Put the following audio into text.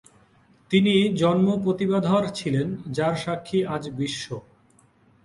তিনি জন্ম প্রতিভাধর ছিলেন, যার সাক্ষী আজ বিশ্ব।